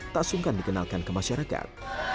tak sungkan dikenalkan ke masyarakat